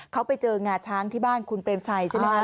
เขาไปเจองาช้างที่บ้านคุณเปรมชัยใช่ไหมครับ